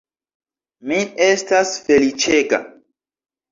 Mi estas feliĉega.